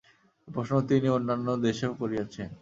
এ প্রশ্ন তিনি অন্যান্য দেশেও করিয়াছেন।